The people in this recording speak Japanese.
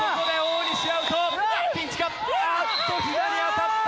あーっとひざに当たった。